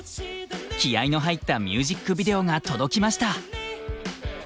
気合いの入ったミュージックビデオが届きました！